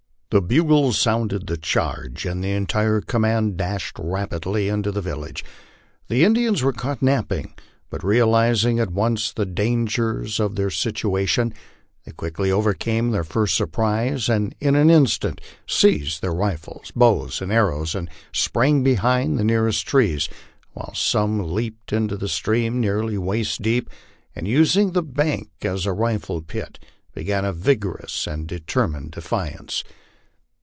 The bugles sounded the charge, and the entire command dashed rapidly into the village. The Indians were caught napping; but realizing at once the dan gers of their situation, they quickly overcame their first surprise and in an in stant seized their rifles, bows, and arrows, and sprang behind the nearest trees, while some leaped into the stream, nearly waist deep, and using the bank ag * rifle pit, began a vigorous and determined defence.